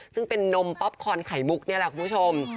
ซึ่งเป็นนมป๊อปคอนไข่มุกนี่แหละคุณผู้ชม